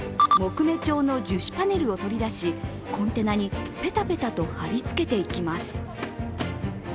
木目調の樹脂パネルを取り出しコンテナにペタペタと貼り付けていきます。